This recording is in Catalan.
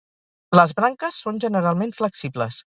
Les branques són generalment flexibles.